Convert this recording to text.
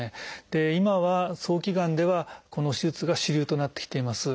で今は早期がんではこの手術が主流となってきています。